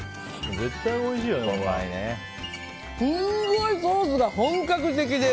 すごい、ソースが本格的で。